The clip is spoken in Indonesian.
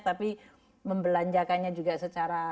tapi membelanjakannya juga secara